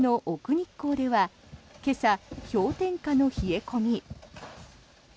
日光では今朝、氷点下の冷え込み。